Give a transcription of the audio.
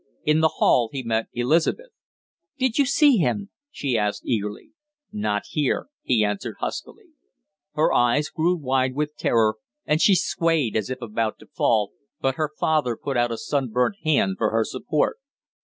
In the hall he met Elizabeth. "Did you see him?" she asked eagerly. "Not here," he answered huskily. Her eyes grew wide with terror, and she swayed as if about to fall, but her father put out a sunburnt hand for her support.